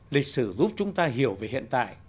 lịch sử giúp chúng ta hiểu về hiện tại